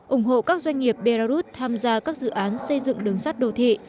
ủng hộ các doanh nghiệp belarus tham gia các dự án xây dựng đường sát đồ thị